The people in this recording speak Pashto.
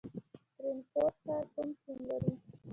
ترینکوټ ښار کوم سیند لري؟